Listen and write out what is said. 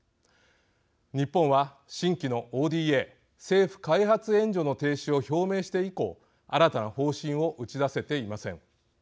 日本は、新規のＯＤＡ＝政府開発援助の停止を表明して以降新たな方針を打ち出せていません。